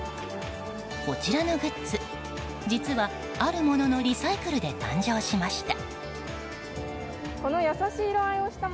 こちらのグッズ、実はあるもののリサイクルで誕生しました。